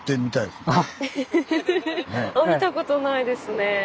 見たことないですね。